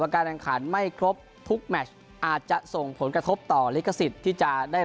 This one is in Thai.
ว่าการอันขาดไม่ครบทุกแมทอาจจะส่งผลกระทบต่อลิกศิษฐ์ที่จะได้